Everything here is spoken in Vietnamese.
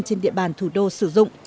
trên địa bàn thủ đô sử dụng